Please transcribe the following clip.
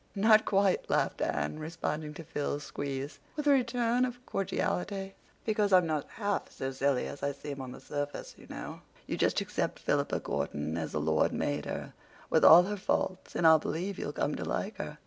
"Not quite," laughed Anne, responding to Phil's squeeze, with a return of cordiality. "Because I'm not half so silly as I seem on the surface, you know. You just accept Philippa Gordon, as the Lord made her, with all her faults, and I believe you'll come to like her.